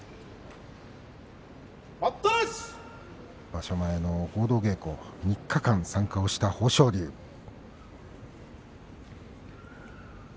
場所前の合同稽古３日間参加をした豊昇龍です。